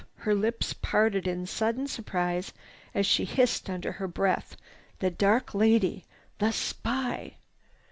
Her lips parted in sudden surprise as she hissed under her breath: "The dark lady! The spy!"